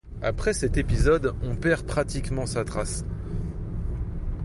Après cet épisode, on perd pratiquement sa trace.